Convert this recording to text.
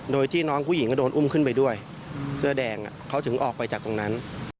โดยที่น้องผู้หญิงก็โดนอุ้มขึ้นไปด้วยเสื้อแดงเขาถึงออกไปจากตรงนั้น